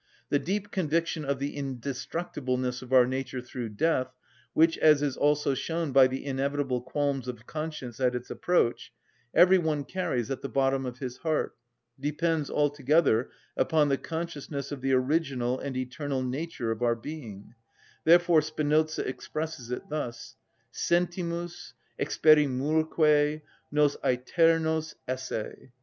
The deep conviction of the indestructibleness of our nature through death, which, as is also shown by the inevitable qualms of conscience at its approach, every one carries at the bottom of his heart, depends altogether upon the consciousness of the original and eternal nature of our being: therefore Spinoza expresses it thus: "Sentimus, experimurque, nos æternos esse."